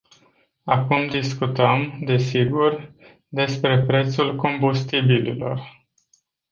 Acum discutăm, desigur, despre prețul combustibililor.